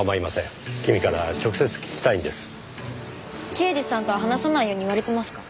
刑事さんとは話さないように言われてますから。